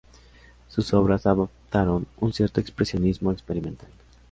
Sus obras adoptaron un cierto expresionismo experimental.